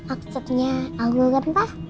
aksesnya anggul kan pak